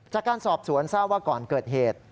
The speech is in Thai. จากการสอบสวนทราบว่าก่อนเกิดเหตุ